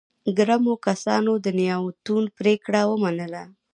ګرمو کسانو د نياوتون پرېکړه ومنله.